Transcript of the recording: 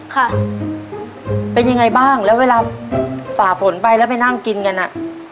ค่ะเป็นยังไงบ้างแล้วเวลาฝ่าฝนไปแล้วไปนั่งกินกันอ่ะ